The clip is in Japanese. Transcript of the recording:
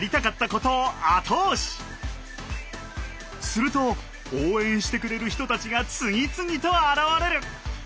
すると応援してくれる人たちが次々と現れる！